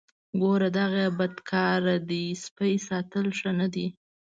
ګوره دغه یې بد کار دی سپی ساتل ښه نه دي.